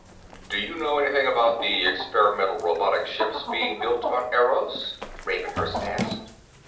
"Do you know anything about the experimental robotic ships being built on Eros?" Ravenhurst asked.